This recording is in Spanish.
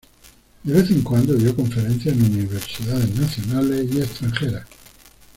De vez en cuando dio conferencias en universidades nacionales y extranjeras.